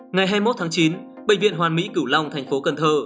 ngày hai mươi một tháng chín bệnh viện hoàn mỹ cửu long thành phố cần thơ